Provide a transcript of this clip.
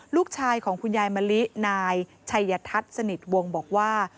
ลูกชายของคุณยายมะลินายชัยทัศน์สนิทวงศ์บอกว่า